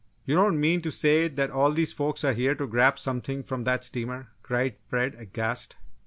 "You don't mean to say that all these folks are here to grab something from that steamer?" cried Fred, aghast.